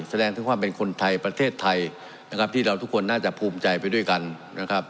แสดงถึงความเป็นคนไทยประเทศไทยนะครับที่เราทุกคนน่าจะภูมิใจไปด้วยกันนะครับ